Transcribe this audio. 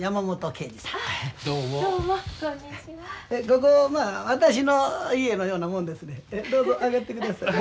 ここまあ私の家のようなもんですねん。